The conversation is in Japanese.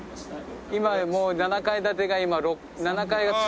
今やもう７階建てが今７階が潰れて。